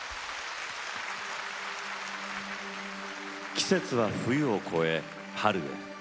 季節は冬を越え、春へ。